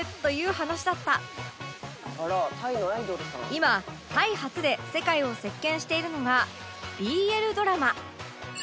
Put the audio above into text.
今タイ発で世界を席巻しているのが ＢＬ ドラマ